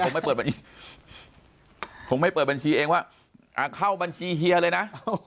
ผมไม่เปิดบัญชีผมไม่เปิดบัญชีเองว่าเข้าบัญชีเฮียเลยนะ